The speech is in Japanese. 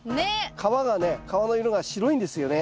皮がね皮の色が白いんですよね。